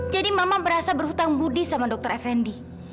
jadi mama merasa berhutang budi sama dokter fnd